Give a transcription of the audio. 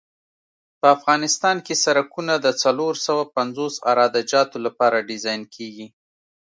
په افغانستان کې سرکونه د څلور سوه پنځوس عراده جاتو لپاره ډیزاین کیږي